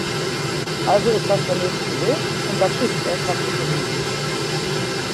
Also ist das der mögliche Weg, und das ist es, was wir versuchen.